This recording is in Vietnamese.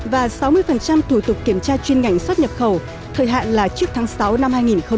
và sáu mươi thủ tục kiểm tra chuyên ngành xuất nhập khẩu thời hạn là trước tháng sáu năm hai nghìn hai mươi